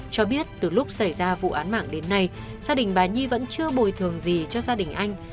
cho biết từ lúc xảy ra vụ án mạng đến nay gia đình bà nhi vẫn chưa bồi thường gì cho gia đình anh